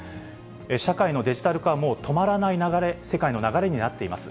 社会のデジタル化はもう止まらない流れ、世界の流れになっています。